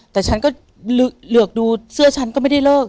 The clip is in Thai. แต่ฉันก็เหลือกดูเสื้อฉันก็ไม่ได้เลิก